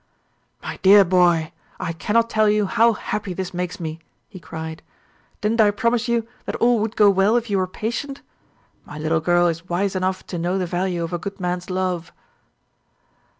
"My dear boy, I cannot tell you how happy this makes me!" he cried. "Didn't I promise you that all would go well if you were patient? My little girl is wise enough to know the value of a good man's love."